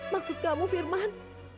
maksud kamu firman